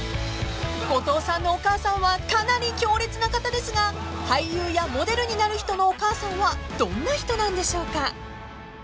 ［後藤さんのお母さんはかなり強烈な方ですが俳優やモデルになる人のお母さんはどんな人なんでしょうか］